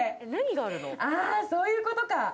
あー、そういうことか。